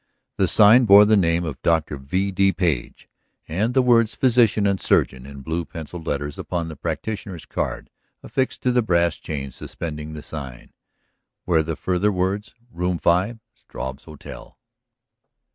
The sign bore the name of Dr. V. D. Page with the words Physician and Surgeon; in blue pencilled letters upon the practitioner's card, affixed to the brass chain suspending the sign, were the further words: "Room 5, Struve's Hotel."